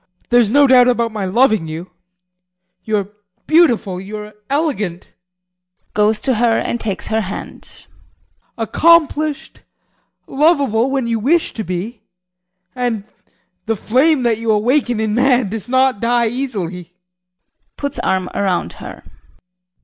There's no doubt about my loving you you are beautiful, you are elegant [Goes to her and takes her hand] accomplished, lovable when you wish to be, and the flame that you awaken in man does not die easily. [Puts arm around her.